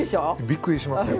びっくりしました。